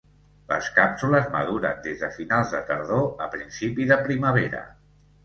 Les càpsules maduren des de finals de tardor a principi de primavera.